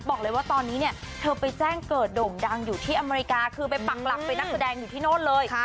บอกเลยว่าตอนนี้เนี่ยเธอไปแจ้งเกิดโด่งดังอยู่ที่อเมริกาคือไปปักหลักเป็นนักแสดงอยู่ที่โน่นเลย